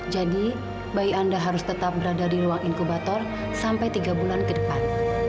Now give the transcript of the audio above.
jadi bayi anda harus tetap berada di ruang inkubator sampai tiga bulan ke depan